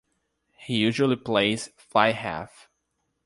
He usually plays Fly Half.